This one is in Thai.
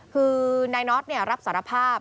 คือนายน็อตรับสารภาพ